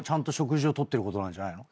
じゃないの？